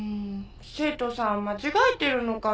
生徒さん間違えてるのかな？」